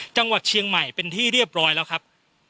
จังหวัดเชียงใหม่เป็นที่เรียบร้อยแล้วครับ